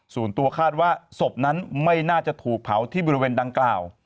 ส่วนตัวคาดว่าศพนั้นไม่น่าจะถูกเผาที่บริเวณดังกล่าว